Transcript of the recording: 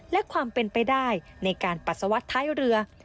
และความเป็นไปได้ในการปัสสาวะท้ายเรือ